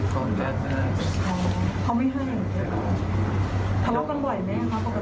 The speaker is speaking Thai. เขาไม่ให้